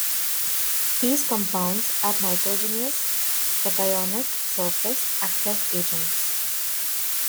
These compounds are nitrogenous cationic surface active agents.